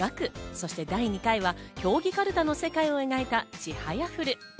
そして第２回は競技かるたの世界を描いた『ちはやふる』。